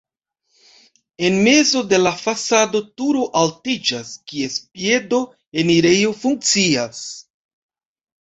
En mezo de la fasado turo altiĝas, kies piedo enirejo funkcias.